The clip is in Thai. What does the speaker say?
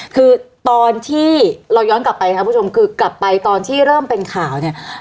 คือตอนที่เราย้อนกลับไปค่ะผู้ชมคือกลับไปตอนที่เริ่มเป็นข่าวเนี่ย